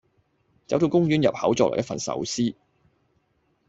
走到公園入口再來一份壽司